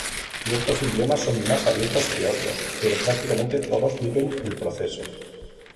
Ciertos idiomas son más abiertos que otros, pero prácticamente todos viven el proceso.